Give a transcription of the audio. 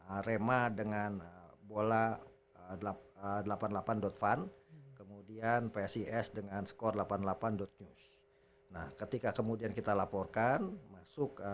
arema dengan bola delapan puluh delapan van kemudian psis dengan skor delapan puluh delapan news nah ketika kemudian kita laporkan masuk